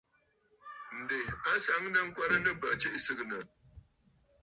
Ǹdè a nsaŋnə ŋkwɛrə nɨ̂ bə̂ tsiʼì sɨgɨ̀nə̀.